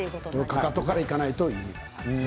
かかとからいかないと。